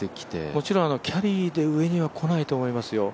もちろんキャリーで上には来ないと思いますよ。